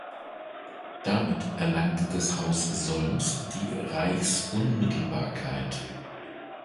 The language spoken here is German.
Damit erlangte das Haus Solms die Reichsunmittelbarkeit.